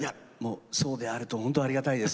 そうであるとほんとありがたいですね。